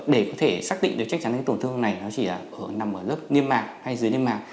để có thể xác định được chắc chắn cái tổn thương này nó chỉ nằm ở lớp niêm mạc hay dưới niêm mạc